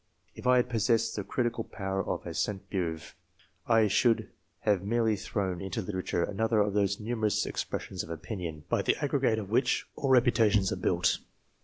If I had possessed the critical power of a Ste. Beuve, I should have merely thrown into literature another of those numerous expressions of opinion, by the aggregate of which all reputations are built.